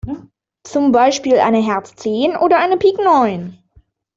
Zum Beispiel eine Herz zehn oder eine Pik neun.